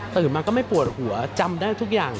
ตื่นมาก็ไม่ปวดหัวจำได้ทุกอย่าง